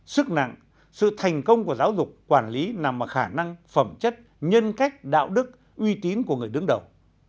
sức nặng sự thành công của giáo dục quản lý nằm vào khả năng phẩm chất nhân cách đạo đức uy tín của người đứng đầu